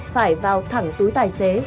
phải vào thẳng túi tài xế